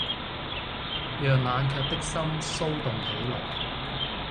讓冷卻的心騷動起來